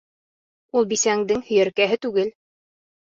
Ул бисәңдең һөйәркәһе түгел.